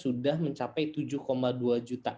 sudah mencapai tujuh dua juta